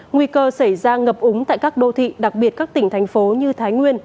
nguy cơ xảy ra ngập úng tại các đô thị đặc biệt các tỉnh thành phố như thái nguyên